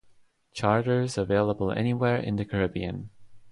Charters available anywhere in the Caribbean.